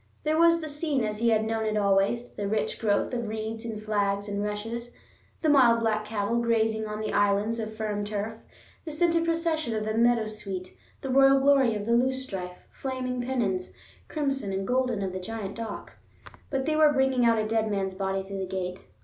There was the scene as he had known it always, the rich growth of reeds and flags and rushes, the mild black cattle grazing on the "islands" of firm turf, the scented procession of the meadowsweet, the royal glory of the loosestrife, flaming pennons, crimson and golden, of the giant dock. But they were bringing out a dead man's body through the gate.